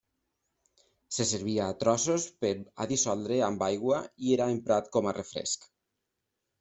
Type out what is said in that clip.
Se servia a trossos per a dissoldre amb aigua i era emprat com a refresc.